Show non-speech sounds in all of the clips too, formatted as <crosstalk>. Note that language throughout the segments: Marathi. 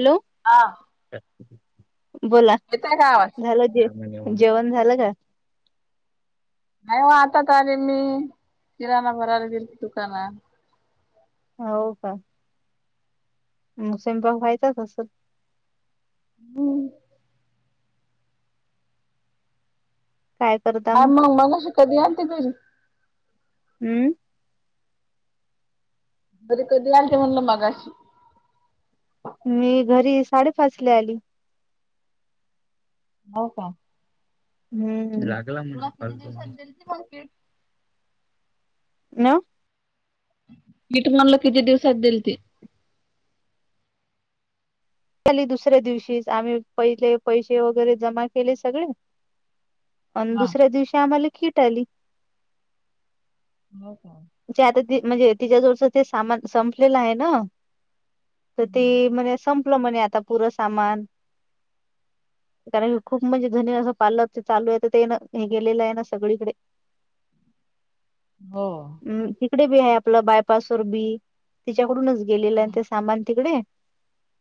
हॅलो, हा. बोला. येताय का आवाज. झालं जे जेवण झालं का? नाही हो आताच आले मी किराणा भरायला गेलती दुकानात. हो का. म स्वयंपाक व्हायचा असं. हम्म. काय हा मग मगाशी कधी आलती घरी. हम्म घरी कधी आणते म्हणल मगाशी. मी घरी साडेपाचला आली. हो का. हम्म लागला म्हणा तुला किती फलतो. <unintelligible> नव मीठ म्हणल किती दिवसात दिलती. झाली दुसऱ्या दिवशी आम्ही पहिले पैसे वगैरे जमा केले सगळे. अन हा. दुसऱ्या दिवशी आम्हाला खीट आली. हो का. ते आता ते म्हणजे तिच्या जवळच ते सामान संपलेलं आहे ना. तर ते म्हणे संपलं म्हणे आता पुरं सामान. कारण कि खूप म्हणजे जनी असं पार्लरच चालू आहे ते ना हे गेलेलं आहे ना सगळीकडे. हो. अ इकडे बी आहे आपलं बायपास वर बी, तिच्याकडूनच गेलेलं आहे ते सामान तिकडे.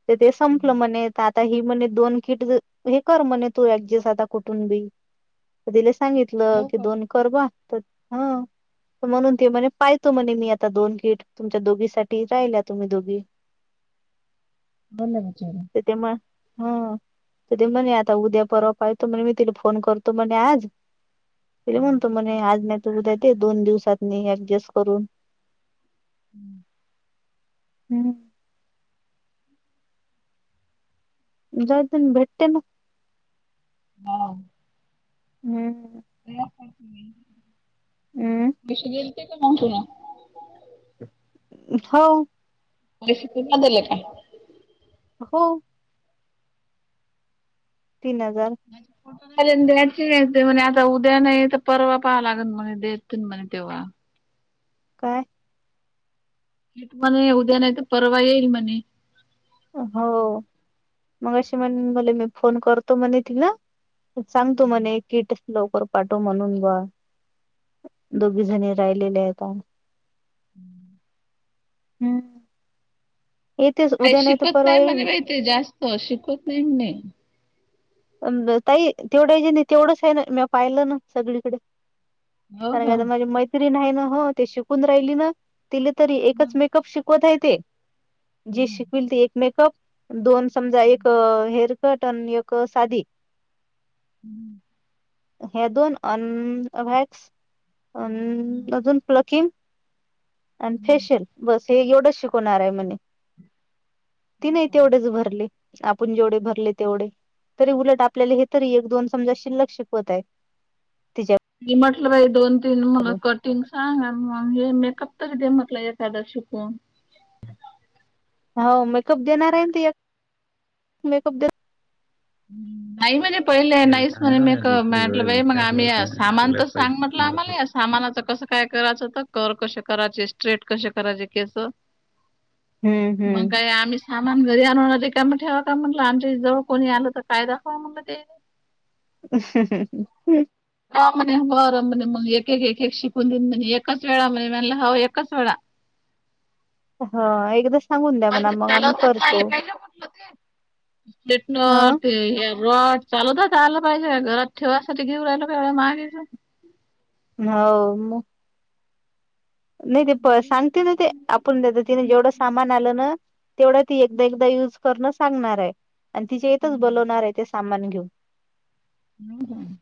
त ते संपलं म्हणे तर ति म्हणे ही म्हणे दोन कीट हे कर म्हणे तू ऍडजस्ट आता कुठून बी. तिले सांगितलं हो की का? दोन करबा त ह म्हणून ते म्हणे पायतो म्हणे मी आता दोन गीट, तुमच्या दोघी साठी राहिल्या तुम्ही दोघी. बघना विचारून तिथे मग हा ति तर ते म्हणे आता उद्या परवा पायतो म्हणे मी तिला फोन करतो म्हणे आज. तिल म्हणतो म्हणे आज नाही तर उद्या दे ते दोन दिवसात म ऍडजस्ट करून. <inaudible> हम्. जाउदे भेटे ना? हो. हम्म. हम्म भीशी दिलति का मग तुला? हो. परस्ितीला दिले काय <unintelligible> हो. तीन हजार <unintelligible> द्यायची म्हणे आता उद्या नाही तर परवा पहावा लागेल म्हणे देत म्हणे तेव्हा काय? <unintelligible> हथ मणे उद्या नाही तर परवा येईल म्हणे हो. मगाशी म्हण मले मु फोन करतो म्हने मि तिला सांग तू म्हणे किट लवकर पाठवून म्हणून बा, दोघी जणी राहिलेल येता हम्म <inaudible> हम्. काय तर शिकवत परवा नाही म्हणे येईल बाई ते जास्त शिकवत नाही म्हणे ताई तेवढं <unintelligible> नाही तेवढंच आहे <unintelligible> ना मी पाहिलं ना सगळीकडे कारण का आता माझी मैत्रीण ना हो ते शिकून राहिली ना तिले तरी एकच मेकअप शिक शीकवत आहे ते, जे शिकवईलत एक मेकअप दोन समजा एक हेअर उद्घटन <unintelligible> योक साधी हम्म. हे दोन अन वॅक्स अन अजून प्लकिंग अन फेशियल बस हे एवढंच शिकवणार आहे म्हणे, तीने तेवढेच भरले. आपण जेवढे भरले तेवढे, तरी उलट आपल्याला हे तरी एक दोन समजा शिल्लक्षिक होत आहे. तिच्या मी म्हटलं बाइ दोन तीन मुलं कट तिला सांग ऑनलाईनले मेकअप तरी ते म्हटलं एखादा शिकून. हाव मेकअप देणार आहे ति एक, मेकअप दे आई म्हणे पहिले नाहीस म्हणे मेकअप म्या आपलं बाई मग आम्ही या सामान तर सांग म्हटलं आम्हाला या सामानाचं कसं? काय करायचं तर कर कश करायचे स्ट्रेट कसे करायचे केस हम्म मग हम्म काय आम्ही सामान घरी आणवणार ते काम ठेवा का म्हटलं आमच्या जवळ कोणी आलं तर काय दाखवाव म्हनल ते <inaudible> हो बर म्हणे एक, एक, एक शिकून दिन म्हणे एकाच वेळा म्हणे मला हव एकाच वेळा हा एकदा सांगून द्या म्हणा मग आम्ही करतो. हा प्लेटनर ते हे रॉड चालोता तर आला पाहिजे घरात ठेवायसाठी घेऊ राहिला का मागेच? हो मग. नाही ते प सांगते ना ते आपण त्याच तिने जेवढं सामान आलं ना तेवढं ती एकदा, एकदा युज करणं सांगणार आहे आणि तिच्या यथच बोलवणार आहे ते सामान घेऊन. हम्म हम्म.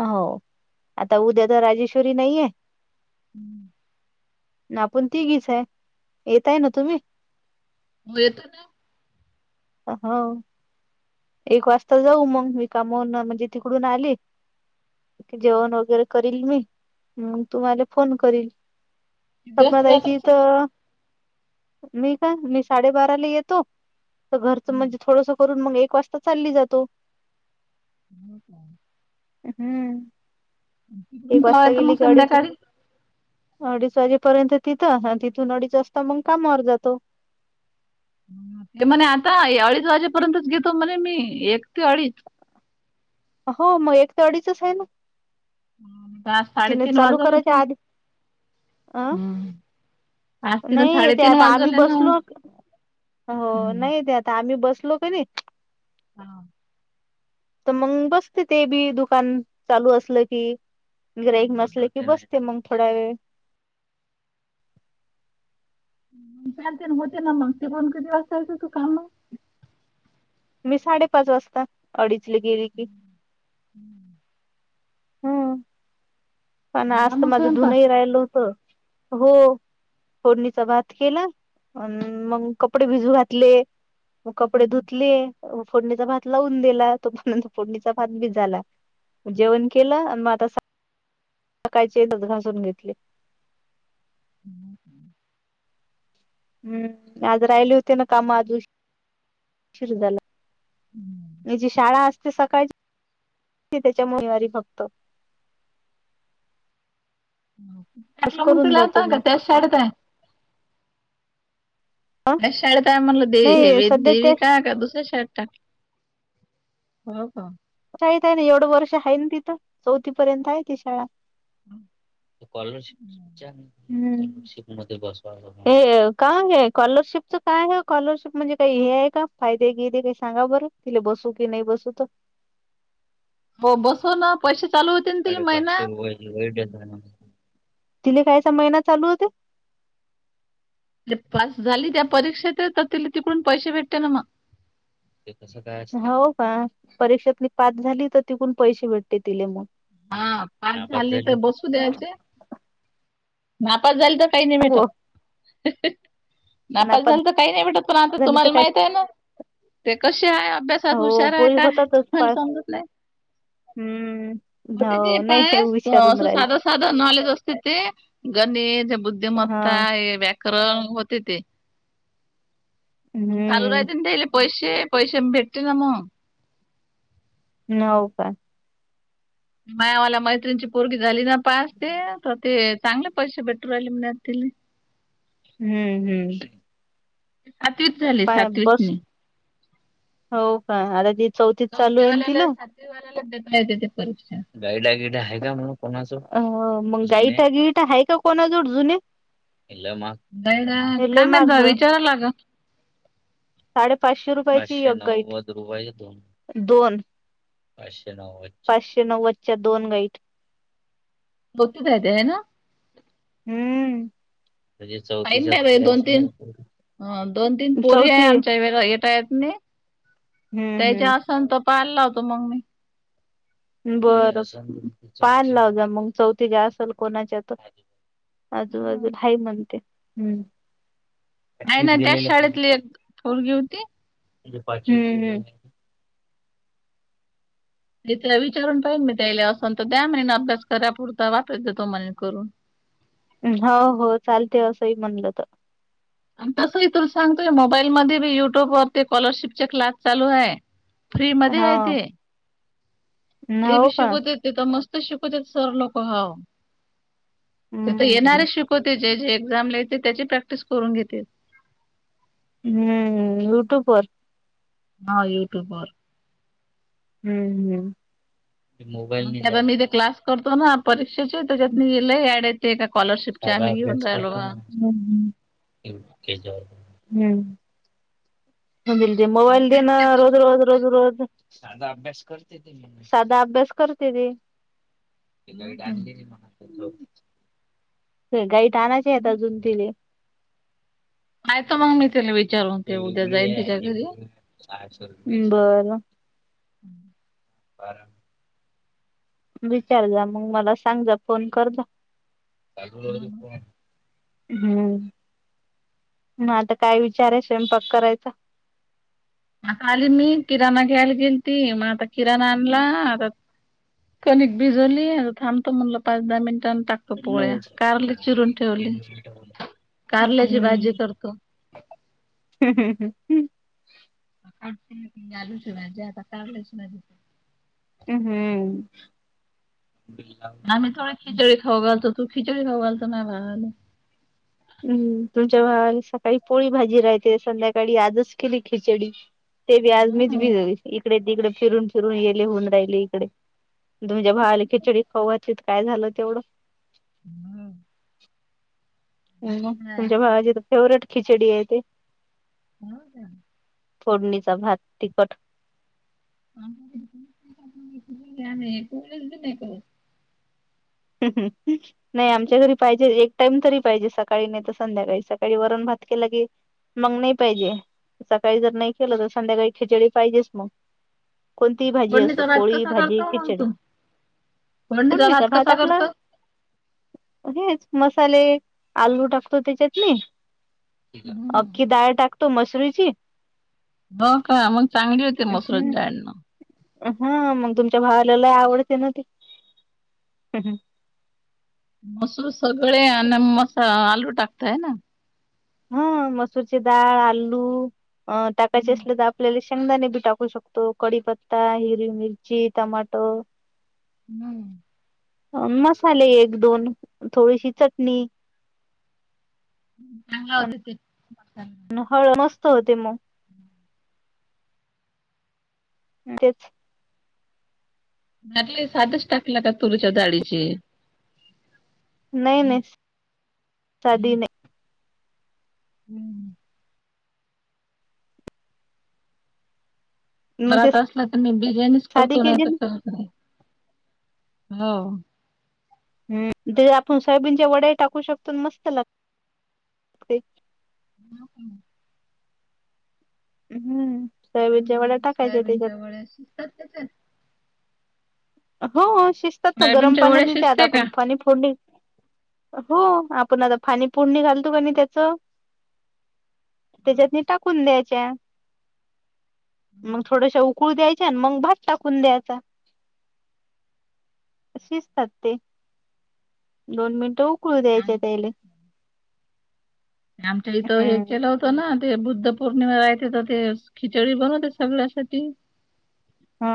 हो आता उद्या तर राजेश्वरी नाहीये. ना पण तीघीच आहे येतायना तुम्ही? हो येतो ना <unintelligible> हो. एक वाजता जाऊ मग मी कामून म्हणजे तिकडून आले. जेवण वगैरे करील मी म तुम्हाला फोन करील. दिवस स्पना जात ताईच्या इथ असतो तो. अ.. मी का मी साडेबाराला येतो तर घरचं म्हणजे थोडस करून मग एक वाजता. चालली जातो. हो का <unintelligible> हम्म तिकडून एक कवा वाजता येतो मग गेली की अडीच संध्याकाळी. अडीच वाजेपर्यंत तिथं तिथून अडीच वाजता मग कामावर जातो. ते म्हणे आता अडीच वाजेपर्यंतच घेतो म्हणे मी एक ते अडीच. हो मग एक ते अडीच आहे ना. आता आज तिले साडेतीन चालू वाजवले करायच्या तीन आधी अं हम्म आज तिला नाही ते साडेतीन आता आम्ही वाजवले ना बसलो हो हम्म नाही ते आता. आता आम्ही बसलो का नाही. हा. तर मग बसते ते बी दुकान चालू असलं की ग्राहक नसल की बसते. ते मग थोडा वेळ- चालते ना होते ना मग तिकुन किती वाजता येत तू काम मी साडेपाच वाजता अडीचले गेली की. हम्म. हम्म पण झाला आज तर मग माझं स्वयंपाक धुनही राहिलं होत हो फोडणीचा भात केला. अन मग कपडे भिजू घातले मग कपडे धुतले फोडणीचा भात लावून दिला तोपर्यंत फोडणीचा भात बी झाला. जेवण केलं आणि मग आता सकायचे येतात घासून घेतले. हम्म. हम्म आज राहिले होते ना काम आजुन उशीर झाला. याची शाळा असते सकाळची त्याच्यामुळ रविवारी फक्त बस काटला मग करून तुला जातो आता मी ग त्याच शाळेत आहे? त्याच आहे म्हणटलं देवी नाही हेवी सध्या त्या देवीका का दुसर्या शाळेत टाकलं? हो हो. शाळेत आहे ना एवढं वर्ष आहे ना तिथं चौथी पर्यंत आहे ती शाळा. कॅलर शिपच्या हम्म मध्ये बसवला. हे काय हे स्कॉलरशिपच काय आहे स्कॉलरशिप म्हणजे काही हे आहे का फायदे गियदे काही सांगा बरं? तिले बसू की नाही बसूत. हो बसोना पैसे चालु हो साडेपाचशे <unintelligible> तिले कायचा महिना चालू होते? पास झाली त्या परीक्षेतचे तर तिले तिकडून पैसे भेटते ना मग. हो का परीक्षेत म पास झाली तर तिकून पैसे भेटते तिले मग. हा पास झाले तर बसू द्यायचे नापस झाले तर काही नाही सांगू भेटत नापास झालं तर काही नाही भेटत झाली तर तुम्हाला काय माहिताय ना? ते कशे आहे अभ्यासात हो हुशार आहे पोरी काय होतातच मला पास समजत नाही. हम्म! होते ते हो पाय, नाही विचारून असं राहिल साधं साधं नॉलेज असते ते गणित, हा बुद्धिमत्ता हे व्याकरण होते ते. चालू हम्म राहितेन तेजे पैसे पैसे भेटते ना मग. नाव काय? मायावाला मैत्रिणीची पोरग झाली ना पास ते तर ते चांगल्या पैसे भेटू राहिले म्हने तिला. हम्म हम्म! अतिच झालं काय बस, हो काय आता ती चौथीत चालू आहेन चौथीवाल्याला तिला? परीक्षा मग गाईडागिट आहे का कोणाजोड जुने? <unintelligible> गाईडा हे लय काय माहित महाग विचारावं लागेल. साडे पाचशे रुपयाची एक गाईड! दोन पाचशे पाचशे नव्वदच्या दोन गाईड. बघ की बाई त्या हेन हम्म! पाहिन बाई दोन तीन दोन तीन पोरी आहे चौथी आमच्या हित, येता येत नाही हम्म त्याच्या हम्म असन तर कॉल लावतो मग मी. बर पान लाव जा मग चौथीच्या असल कोणाच्या तर आजूबाजूला नाही हाय म्हणते. नाही ना त्याच शाळेतली एक पोरगी होती. हम्म हम्म! तर विचारून पाहिन मी त्याला असन तर द्या म्हणीन अभ्यास कराय पुरता वापरत वाचायचं तुम्हाला करुन. हो हो चालतंय असंही म्हणलं तर! तसं ही तुला सांगतोय मोबाईल मध्ये बी युट्यूब वर ते स्कॉलरशिप चे क्लास चालू आहे. फ्री मध्ये हा आहे ते. ते बी हो का शिकवतेत तिथ मस्त शिकवतेत सर लोक हाव! तीथ हम्म येणारे शिकवतात जे जे एक्झाम ला येणार त्याची प्रॅक्टिस करून घेतेत. हम्म युट्युबर? हा युट्यूब वर. हम्म हम्म! म ते आता मी ते क्लास करतो ना परीक्षेचे त्याच्यात मी लय ऍड ते का कॉलरशिप आम्ही घेऊन राहिलो ना. हम्म! म्हणेल ति मोबाईल देना भेटले तर रोज मग रोज रोज रोज साध अभ्यास करते, साधा अभ्यास करते ती. हो का? गाईड आणायचे आहेत अजून तिले! हायत का मग मी त्यािला विचारून ते उद्या जाईन त्यािच्या घरी. बर! <inaudible> बर! विचार जा, मग मला सांग जा फोन कर जा. हा ना. हम्म म आता काय विचार आहे स्वयंपाक करायचा? आता आली मी किराणा घ्यायला गेलती मग आता किराणा आणला आता कणिक भिजवली थांबतो म्हणलं पाच दहा मिनिटान त पोळ्या कारली चिरून ठेवली कारल्याची भाजी करतो, हम् हम ह हम्. का आलूच जे आता काढलेच मा, हम् हम्म. आमी थोडी खिचडी खाऊ घलो तू खिचडी खाऊ घालो नाहीला हम्म तुमच्या भावा सकाळी पोळी भाजी राहते संध्याकाळी आजच केली खिचडी ते बी आज मच हम्म भिजली इकडे तिकडे फिरून फिरून गेले होऊन राहिले इकडे. तुमजे भावाली खिचडी खावाचीत काय झालं तेवढं. हम. हम् तुमच्या भावाची तर फेवरेट खिचडी आहे ते. हो का. फोडणीचा भात तिखट. ह नाही. ह ह. नाही आमच्या घरी पाहिजे एक टाइम तरी पाहिजे सकाळी नाही तर संध्याकाळी सकाळी वरण भात केला के. मग नाही पाहिजे सकाळी जर नाही केलं तर संध्याकाळी खिचडी पाहिजेच मग. कोणतीही भाजी असो फोडणीचा भात पोळी कसा भाजी करतो मग खिचडी. तू? फोडणीचा भात आपला. हेच मसाले आलू टाकतो त्याच्यातने. हम्म अख्खी डाळ टाकतो मशरूरीची. हो का मग चांगली होते मसरंडाळणं. हा मग तुमच्या भावालालाय आवडते ना ते. हम हं. मसू सगळे आणि मसा आलू टाकतय ना. हा मसूरची डाळ आलू टाकायचे हम्म, असले तर आपल्याला शेंगदाणे बी टाकू शकतो. तो कडीीपत्ता हिरी मिरची टमाटो. हम्म. मसाले एक दोन थोडीशी चटणी. ह् चां होवत त. हळ मस्त होते मग. तेच. ले साधच टाकला का तुरच्या ाळीचे. नाही नाही साधी नाही. हम्म. मग ते घरात असला तर मी बिर्याणीच साधी करतो नाही केली तर ना करत नाही हो. ह ते आपण सोयाबीनच्या वड्या टाकू शकतो मस्त लागत. हमम. हम्म सबीजवाड टाकायचे त्याच्यात. च्या. हो शिजतात ना गरम सोयाबीनच्या पाण्या वड्या देते आता शिजते का आपण पाणी फोडली. हो आपण आता पााणी पुोडणी घालतो का नाही त्याचं. त्याच्यात म टाकून द्यायच्या मग थोडश. कुळ द्यायचे आणि मग भात टाकून द्यायचा. शिजतात ते दोन मिनिटं उकळू द्यायचे आमच्या त्याले. आमच्या इथं हे हम्म केलं होत. हो ना ते बुद्ध पौर्णिमा राहते तर ते खिचडी बनवते सगळ्यासाठी. हा